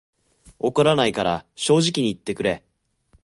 怒らないから正直に言ってくれ